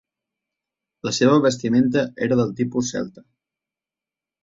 La seva vestimenta era del tipus celta.